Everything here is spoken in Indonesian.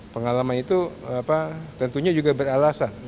pengalaman itu tentunya juga beralasan